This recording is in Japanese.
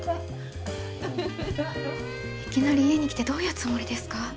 いきなり家に来てどういうつもりですか？